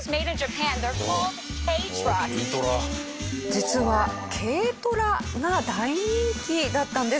実は軽トラが大人気だったんです。